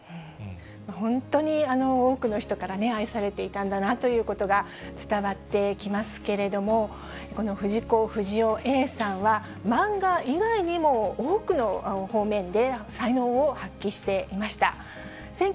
本当に多くの人から愛されていたんだなということが伝わってきますけれども、この藤子不二雄Ａさんは、漫画以外にも多くの方面で才能を発揮していました。